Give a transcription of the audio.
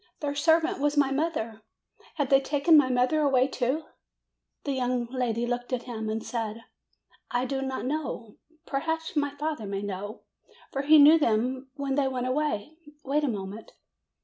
Their servant was my mother! Have they taken my mother away, too?" The young lady looked at him and said: "I do not know. Perhaps my father may know, for he knew them when they went away. Wait a moment."